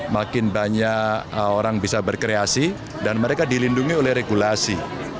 makin banyak orang bisa berkreasi dan mereka dilindungi oleh regulasi